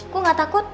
gue gak takut